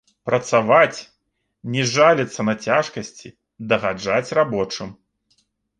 Працаваць, не жаліцца на цяжкасці, дагаджаць рабочым.